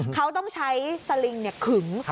เขาต้องใช้สลิงขึง